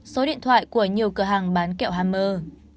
số điện thoại của nhiều cửa hàng bán kẹo hammer